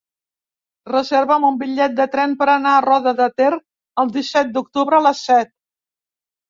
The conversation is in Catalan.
Reserva'm un bitllet de tren per anar a Roda de Ter el disset d'octubre a les set.